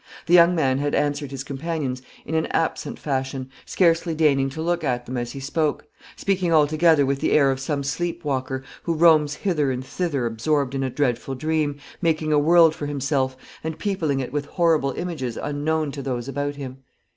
The young man had answered his companions in an absent fashion, scarcely deigning to look at them as he spoke; speaking altogether with the air of some sleep walker, who roams hither and thither absorbed in a dreadful dream, making a world for himself, and peopling it with horrible images unknown to those about him.